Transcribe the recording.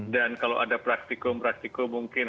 dan kalau ada praktikum praktikum mungkin